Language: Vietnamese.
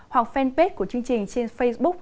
hoặc fanpage của chương trình trên facebook